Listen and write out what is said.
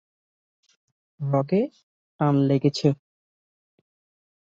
রগে টান লেগেছে।